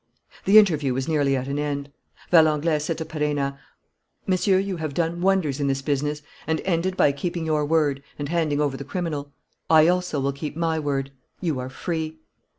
The interview was nearly at an end. Valenglay said to Perenna: "Monsieur, you have done wonders in this business and ended by keeping your word and handing over the criminal. I also will keep my word. You are free."